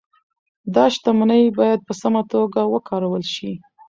دا شتمني باید په سمه توګه وکارول شي.